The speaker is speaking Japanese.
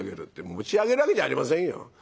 「持ち上げるわけじゃありませんよ。